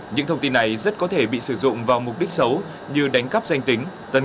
những thông tin này rất có thể bị sử dụng vào mục đích xấu như đánh cắp danh tính tấn công lừa đảo